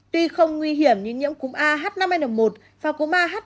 tuy không nguy hiểm như nhiễm cúm ah năm n một và cúm ah bảy n chín